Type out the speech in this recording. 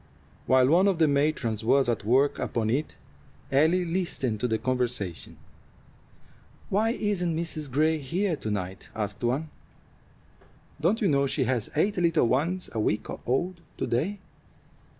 While one of the matrons was at work upon it, Ellie listened to the conversation. "Why isn't Mrs. Gray here to night?" asked one. "Don't you know she has eight little ones a week old to day?"